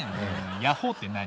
ヤホーって何？